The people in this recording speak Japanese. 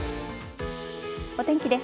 お天気です。